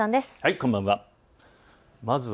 こんばんは。